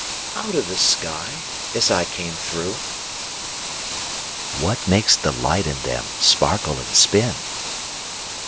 Out of the sky as I came through. What makes the light in them sparkle and spin?